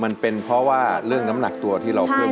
มันเป็นเพราะว่าเรื่องน้ำหนักตัวที่เราเพิ่ม